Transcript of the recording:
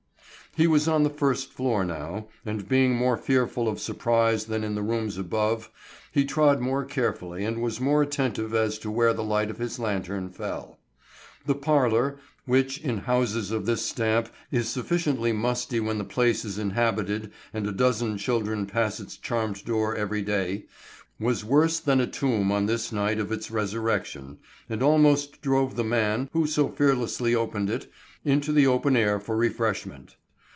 He was on the first floor now, and being more fearful of surprise than in the rooms above he trod more carefully and was more attentive as to where the light of his lantern fell. The parlor, which in houses of this stamp is sufficiently musty when the place is inhabited and a dozen children pass its charmed door every day, was worse than a tomb on this night of its resurrection, and almost drove the man, who so fearlessly opened it, into the open air for refreshment.